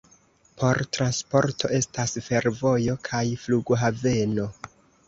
Por transporto estas fervojo kaj flughaveno.